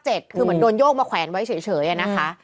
คือเหมือนโดนโยกมาแขวนไว้เฉยนะคะ